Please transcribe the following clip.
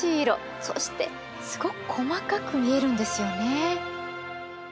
そしてすごく細かく見えるんですよね。